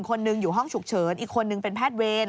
คนหนึ่งอยู่ห้องฉุกเฉินอีกคนนึงเป็นแพทย์เวร